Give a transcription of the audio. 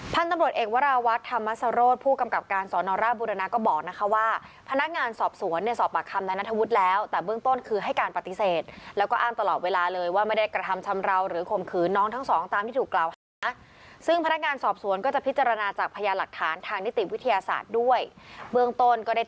ท่านตำรวจเอกวราวัฒน์ธรรมสโรธผู้กำกับการสอนอร่าบุรณะก็บอกนะคะว่าพนักงานสอบสวนเนี่ยสอบปากคำนายนัทวุฒิแล้วแต่เบื้องต้นคือให้การปฏิเสธแล้วก็อ้างตลอดเวลาเลยว่าไม่ได้กระทำชำราวหรือข่มขืนน้องทั้งสองตามที่ถูกกล่าวหาซึ่งพนักงานสอบสวนก็จะพิจารณาจากพยานหลักฐานทางนิติวิทยาศาสตร์ด้วยเบื้องต้นก็ได้